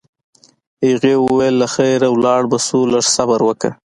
هغې وویل: له خیره ولاړ به شو، لږ صبر وکړه.